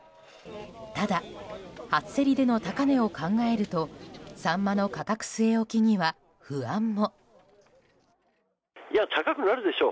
ただ、初競りでの高値を考えるとサンマの価格据え置きには不安も。